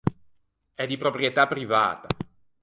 È di proprietà privata.